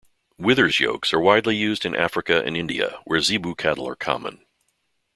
Withers yokes are widely used in Africa and India, where zebu cattle are common.